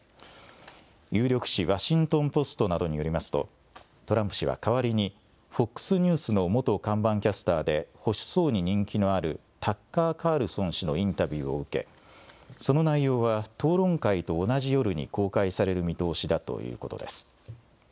有力紙、ワシントン・ポストなどによりますと、トランプ氏は代わりに、ＦＯＸニュースの元看板キャスターで、保守層に人気のあるタッカー・カールソン氏のインタビューを受け、その内容は討論会と同じ夜に公開される見通しだということです。